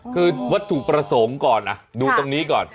คือวัตถุประสงค์ก่อนเนี่ย